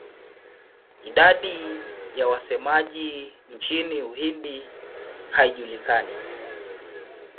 Idadi ya wasemaji nchini Uhindi haijulikani.